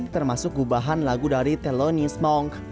termasuk gubahan lagu dari thelonious monk